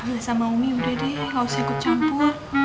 abah sama umi udah deh gausah ikut campur